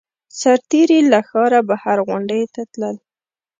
سرتېري له ښاره بهر غونډیو ته تلل